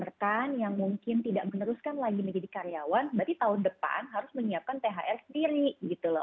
rekan yang mungkin tidak meneruskan lagi menjadi karyawan berarti tahun depan harus menyiapkan thr sendiri gitu loh